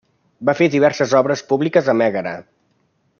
Va fer diverses obres públiques a Mègara.